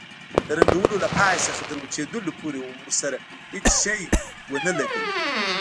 د رنګولو له پای څخه تر وچېدلو پورې ورسره شی ونه لګوئ.